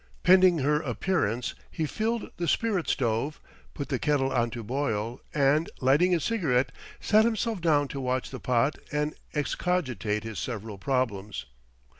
Pending her appearance, he filled the spirit stove, put the kettle on to boil, and lighting a cigarette, sat himself down to watch the pot and excogitate his several problems.